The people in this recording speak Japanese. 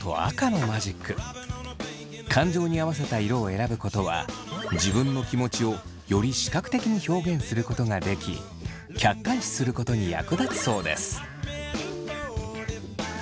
感情に合わせた色を選ぶことは自分の気持ちをより視覚的に表現することができ客観視することに役立つそうです。